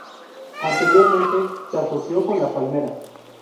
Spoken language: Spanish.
Anteriormente, se asoció con la palmera.